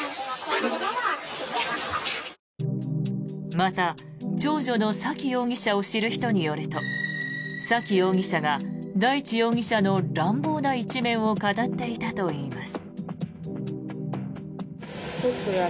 また、長女の沙喜容疑者を知る人によると沙喜容疑者が大地容疑者の乱暴な一面を語っていたといいます。